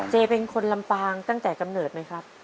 เป็นคนลำปางตั้งแต่กำเนิดไหมครับ